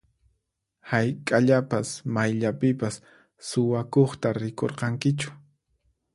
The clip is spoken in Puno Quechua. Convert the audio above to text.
Hayk'aqllapas mayllapipas suwakuqta rikurqankichu?